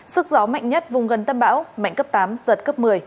sức gió mạnh nhất vùng gần tâm bão mạnh cấp tám giật cấp một mươi